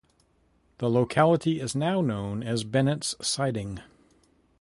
The locality is now known as Bennetts Siding.